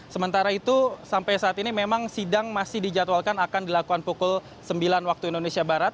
sementara itu sampai saat ini memang sidang masih dijadwalkan akan dilakukan pukul sembilan waktu indonesia barat